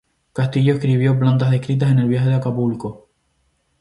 Castillo escribió "Plantas descritas en el viaje de Acapulco".